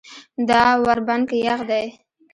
دا ور بند که یخ دی.